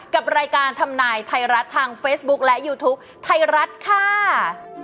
กับรายการทำนายไทยรัฐทางเฟซบุ๊คและยูทูปไทยรัฐค่ะ